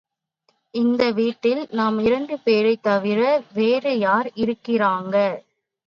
இந்த வீட்டில் நம் இரண்டு பேரைத் தவிர, வேறு யார் இருக்கிறாங்க?